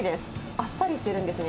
あっさりしているんですね。